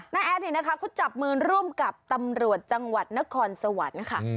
แอดนี่นะคะเขาจับมือร่วมกับตำรวจจังหวัดนครสวรรค์ค่ะ